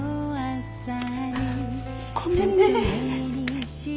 ごめんね。